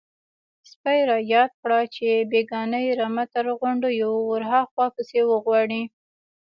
_سپي را ياده کړه چې بېګانۍ رمه تر غونډيو ورهاخوا پسې وغواړئ.